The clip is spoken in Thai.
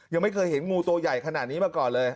ยังไม่เคยเห็นงูตัวใหญ่ขนาดนี้มาก่อนเลย